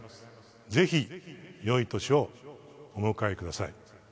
ぜひ、良い年をお迎えください。